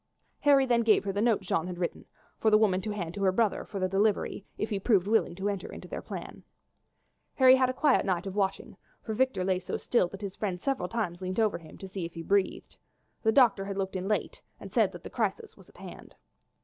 Harry then gave her the note Jeanne had written, for the woman to hand to her brother for delivery if he proved willing to enter into their plan. Harry had a quiet night of watching, for Victor lay so still that his friend several times leant over him to see if he breathed. The doctor had looked in late and said that the crisis was at hand.